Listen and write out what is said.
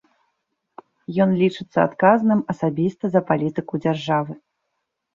Ён лічыцца адказным асабіста за палітыку дзяржавы.